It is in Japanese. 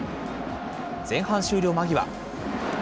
前半終了間際。